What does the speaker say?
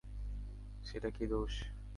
সেটা কি দোস?